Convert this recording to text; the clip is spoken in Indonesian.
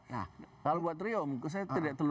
nah kalau buat rio muka saya tidak terlalu